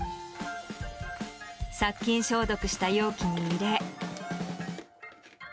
殺菌消毒した容器に入れ。